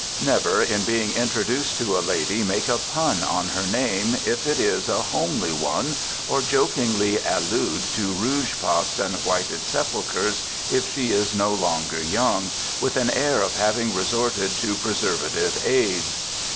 Never, in being introduced to a lady, make a pun on her name, if it is a homely one, or jokingly allude to rouge pots and whited sepulchers, if she is no longer young, with an air of having resorted to preservative aids.